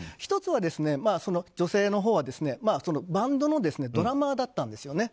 １つは女性のほうはバンドのドラマーだったんです。